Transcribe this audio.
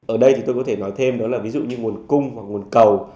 ở đây thì tôi có thể nói thêm đó là ví dụ như nguồn cung hoặc nguồn cầu